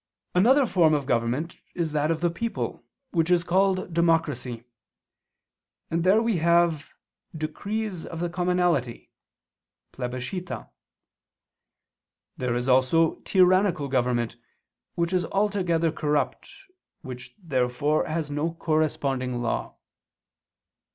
Another form of government is that of the people, which is called democracy, and there we have Decrees of the commonalty (Plebiscita). There is also tyrannical government, which is altogether corrupt, which, therefore, has no corresponding law.